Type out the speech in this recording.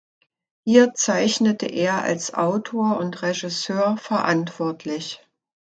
Hier zeichnete er als Autor und Regisseur verantwortlich.